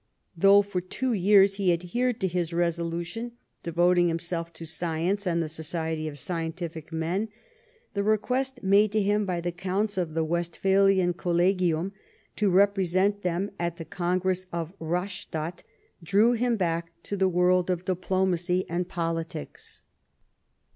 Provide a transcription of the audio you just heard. Though for two years he adhered to his resolution, devoting himself to science and the society of scientific men, the request made to him by the Counts of the Westphalian " Colle gium" to represent them at the Congress of Rastadt, drew him back to the world of di])lomacy and politics.